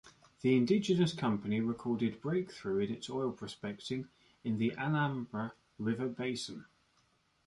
The indigenous company recorded breakthrough in its oil prospecting in the Anambra River basin.